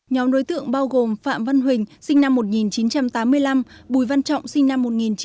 nhóm đối tượng bao gồm phạm văn huỳnh sinh năm một nghìn chín trăm tám mươi năm bùi văn trọng sinh năm một nghìn chín trăm tám mươi